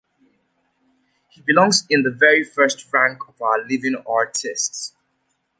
He belongs in the very first rank of our living artists.